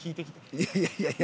いやいやいやいや